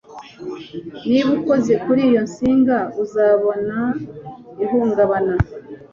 Niba ukoze kuri iyo nsinga, uzabona ihungabana